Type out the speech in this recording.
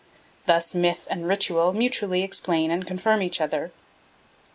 Thus myth and ritual mutually explain and confirm each other.